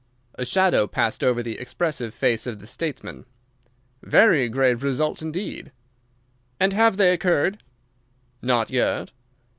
A shadow passed over the expressive face of the statesman. "Very grave results indeed." "And have they occurred?" "Not yet."